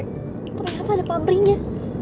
ternyata ada pabriknya